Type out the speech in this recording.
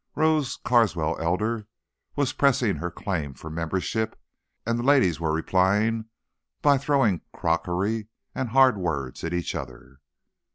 Rose Carswell Elder was pressing her claim for membership, and the ladies were replying by throwing crockery and hard words at each other.